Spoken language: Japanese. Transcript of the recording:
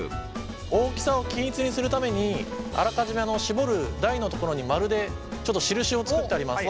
大きさを均一にするためにあらかじめ絞る台のところに丸でちょっと印を作ってあります。